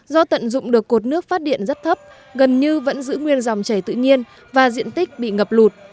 do tận dụng được cột nước phát điện rất thấp gần như vẫn giữ nguyên dòng chảy tự nhiên và diện tích bị ngập lụt